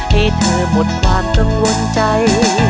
ให้เธอหมดความกังวลใจ